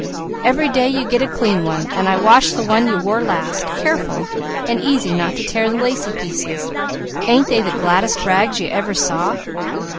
Every day you get a clean one, and I wash the one you wore last, careful and easy not to tear the lacy places. Ain't they the gladdest rags you ever saw!"